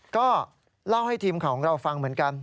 ก็เล่าให้ทีมข่าวของเราฟังเหมือนกัน